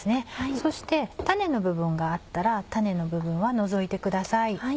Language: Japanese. そして種の部分があったら種の部分は除いてください。